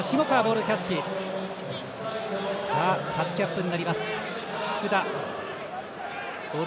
初キャップになります、福田。